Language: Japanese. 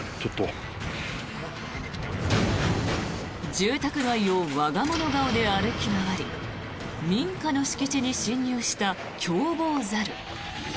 住宅街を我が物顔で歩き回り民家の敷地に侵入した凶暴猿。